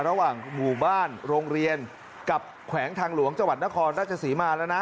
ระหว่างหมู่บ้านโรงเรียนกับแขวงทางหลวงจังหวัดนครราชศรีมาแล้วนะ